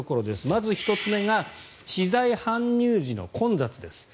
まず１つ目が資材搬入時の混雑です。